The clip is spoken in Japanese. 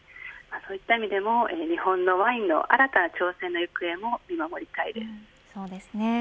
そういった意味でも日本のワインの新たな挑戦の行方をそうですね。